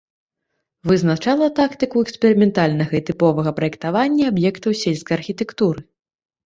Вызначала тактыку эксперыментальнага і тыпавога праектавання аб'ектаў сельскай архітэктуры.